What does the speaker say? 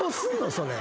それ。